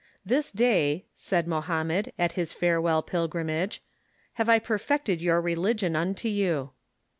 "This day," said Mohammed, at his Farewell Pilgrimage, " have I perfected your religion unto you."